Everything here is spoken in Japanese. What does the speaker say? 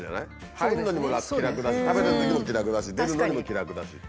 入るのにも気楽だし食べてるときも気楽だし出るのにも気楽だしっていう。